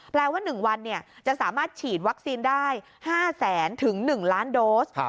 ว่า๑วันจะสามารถฉีดวัคซีนได้๕แสนถึง๑ล้านโดส